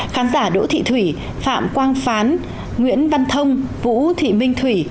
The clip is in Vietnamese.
khán giả đỗ thị thủy phạm quang phán nguyễn văn thông vũ thị minh thủy